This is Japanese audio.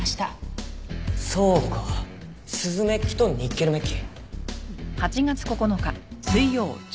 そうかスズメッキとニッケルメッキ。